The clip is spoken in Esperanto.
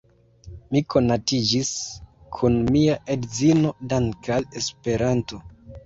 Mi konatiĝis kun mia edzino dankʼ al Esperanto.